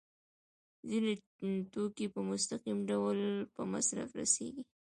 ځینې توکي په مستقیم ډول په مصرف رسیږي.